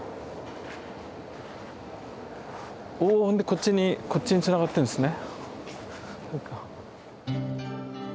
こっちにこっちにつながってるんですね。